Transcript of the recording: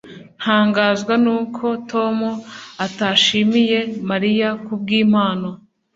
] ntangazwa nuko tom atashimiye mariya kubwimpano.